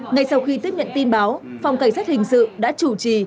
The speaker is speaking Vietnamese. ngay sau khi tiếp nhận tin báo phòng cảnh sát hình sự đã chủ trì